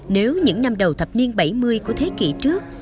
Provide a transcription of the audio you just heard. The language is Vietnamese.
nếu những năm đầu thập niên bảy mươi của thế kỷ trước